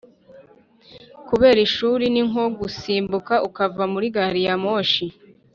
Kureka ishuri ni nko gusimbuka ukava muri gari ya moshi